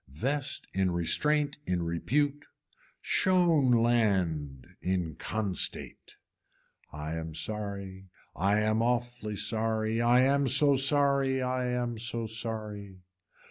Vest in restraint in repute. Shown land in constate. I am sorry I am awfully sorry, I am so sorry, I am so sorry.